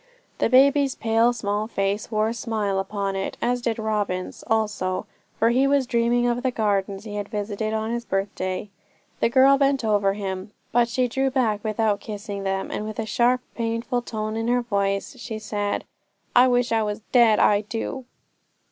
The baby's pale small face wore a smile upon it, as did Robin's also, for he was dreaming of the gardens he had visited on his birthday. The girl bent over them, but she drew back without kissing them, and with a sharp painful tone in her voice she said, 'I wish I was dead, I do.'